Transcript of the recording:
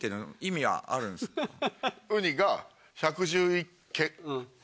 ウニが１１１ケ。